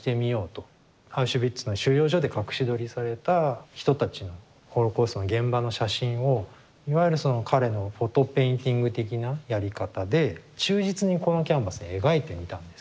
アウシュビッツの収容所で隠し撮りされた人たちのホロコーストの現場の写真をいわゆるその彼の「フォト・ペインティング」的なやり方で忠実にこのキャンバスに描いてみたんです。